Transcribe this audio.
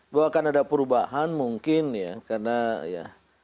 bahkan ada perubahan mungkin ya karena ya